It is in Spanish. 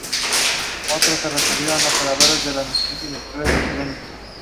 Por ello se están desarrollando nuevos materiales cerámicos con mayor resistencia a la fractura.